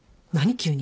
急に。